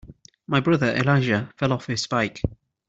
My brother Elijah fell off his bike.